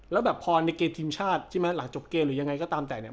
แล้วแบบพอในเกมทีมชาติใช่ไหมหลังจบเกมหรือยังไงก็ตามแต่เนี่ย